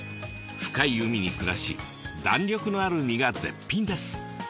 深い海に暮らし弾力のある身が絶品です。